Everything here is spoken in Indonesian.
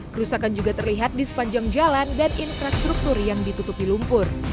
kerusakan juga terlihat di sepanjang jalan dan infrastruktur yang ditutupi lumpur